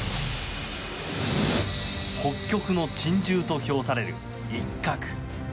北極の珍獣と評されるイッカク。